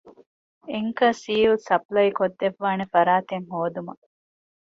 އެންކަރ ސީލް ސަޕްލައިކޮށްދެއްވާނެ ފަރާތެެއް ހޯދުމަށް